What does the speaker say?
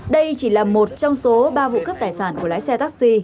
đây chỉ là một trong số ba vụ cướp tài sản của lái xe taxi